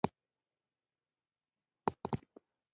لمسی د باران سره خوشحالېږي.